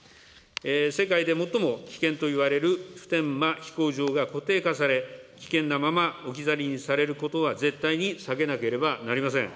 世界で最も危険といわれる普天間飛行場が固定化され、危険なまま置き去りにされることは絶対に避けなければなりません。